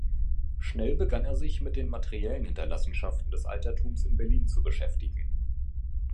Schnell begann er sich mit den materiellen Hinterlassenschaften des Altertums in Berlin zu beschäftigen.